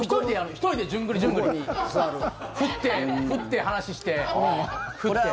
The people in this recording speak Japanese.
１人で順繰り順繰りに振って話して、振って。